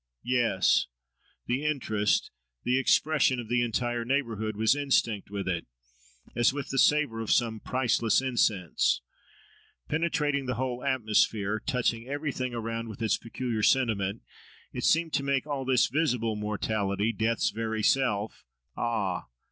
Yes! the interest, the expression, of the entire neighbourhood was instinct with it, as with the savour of some priceless incense. Penetrating the whole atmosphere, touching everything around with its peculiar sentiment, it seemed to make all this visible mortality, death's very self—Ah!